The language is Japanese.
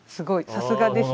さすがですね。